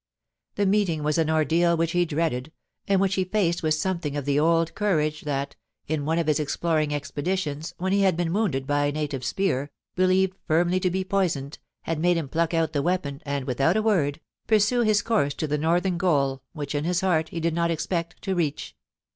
The meeting was an ordeal which he dreaded, and which he faced with something of the old courage that, in one of his exploring expeditions, when he had been wounded by a native spear, believed firmly to be poisoned, had made him pluck out the weapon, and, without a word, pursue his course to the northern goal which, in his heart, he did not expect to reach.